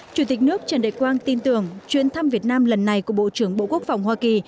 chủ tịch nước trần đại quang tin tưởng chuyến thăm việt nam lần này của bộ trưởng bộ quốc phòng hoa kỳ